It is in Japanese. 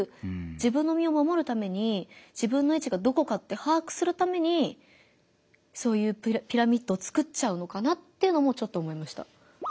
自分の身をまもるために自分の位置がどこかって把握するためにそういうピラミッドを作っちゃうのかなっていうのもちょっと思いました。